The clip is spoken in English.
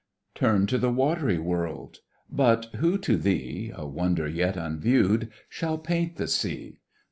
Turn to the watery world! but who to thee (A wonder yet unview'd) shall paint the Sea?